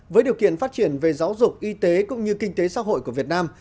với điều kiện phát triển về giáo dục y tế cũng như kinh tế xã hội của việt nam